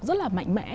rất là mạnh mẽ